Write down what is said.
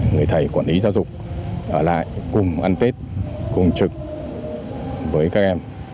người thầy quản lý giáo dục ở lại cùng ăn tết cùng trực với các em